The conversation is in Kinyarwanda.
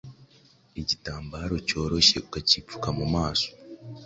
igitambaro cyoroshye ukacyipfuka mu maso